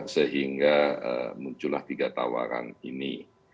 sehingga muncullah tiga tawaran ini